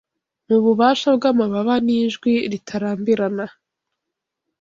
Mububasha bwamababa nijwi ritarambirana